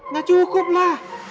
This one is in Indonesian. gak cukup lah